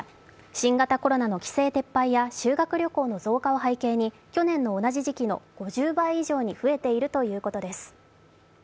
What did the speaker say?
新型コロナの規制撤廃は修学旅行の増加を背景に去年の同じ時期の５０倍以上に増えているということです。